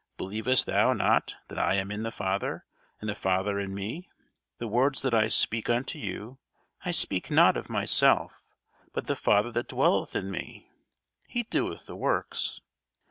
Believest thou not that I am in the Father, and the Father in me? the words that I speak unto you I speak not of myself: but the Father that dwelleth in me, he doeth the works.